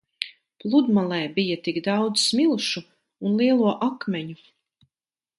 Pludmalē bija tik daudz smilšu un lielo akmeņu.